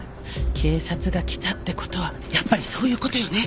警察が来たってことはやっぱりそういうことよね？